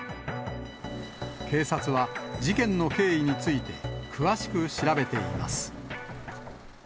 警察は、事件の経緯について、詳しく調べています。